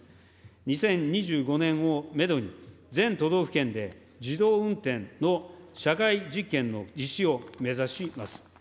２０２５年をメドに、全都道府県で自動運転の社会実験の実施を目指します。